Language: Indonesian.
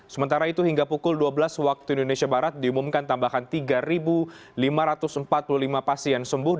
sementara itu hingga pukul dua belas waktu indonesia barat diumumkan tambahan tiga lima ratus empat puluh lima pasien sembuh